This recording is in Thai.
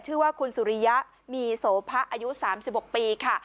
ชื่อว่าคุณสุริยะมีโสภะอายุสามสิบหกปีค่ะ